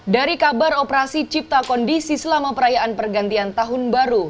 dari kabar operasi cipta kondisi selama perayaan pergantian tahun baru